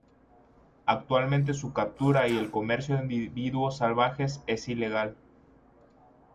Actualmente su captura y el comercio de individuos salvajes es ilegal.